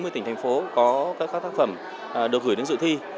tỉnh thành phố có các tác phẩm được gửi đến dự thi